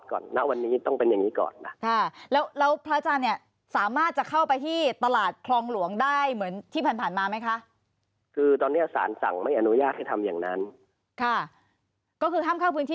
ก็คือห้ามเข้าพื้นที่ข้วบคลวงด้วยนะอ่ะ